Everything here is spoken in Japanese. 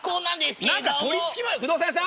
不動産屋さん？